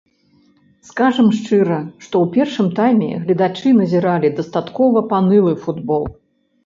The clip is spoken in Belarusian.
Скажам шчыра, што ў першым тайме гледачы назіралі дастаткова панылы футбол.